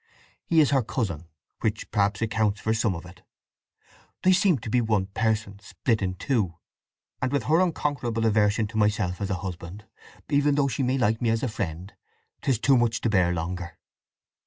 He is her cousin, which perhaps accounts for some of it. They seem to be one person split in two! And with her unconquerable aversion to myself as a husband, even though she may like me as a friend, 'tis too much to bear longer.